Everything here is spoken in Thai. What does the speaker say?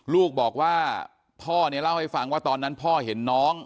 ลูกบอกว่าพ่อเนี่ยเล่าให้ฟังว่าตอนนั้นพ่อเห็นน้อง